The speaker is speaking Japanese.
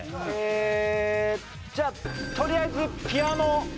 えーじゃあとりあえずピアノ。